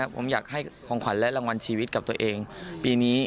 ผมอยากให้ของขวัญและรางวัลชีวิตกับตัวเองปีนี้